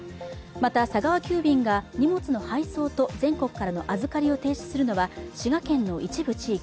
また、佐川急便が荷物の配送と全国からの預かりを停止するのは滋賀県の一部地域。